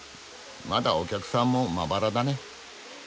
まだお客さんもまばらだね。